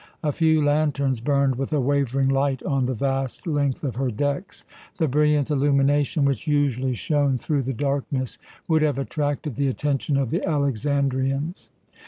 A few lanterns burned with a wavering light on the vast length of her decks. The brilliant illumination which usually shone through the darkness would have attracted the attention of the Alexandrians.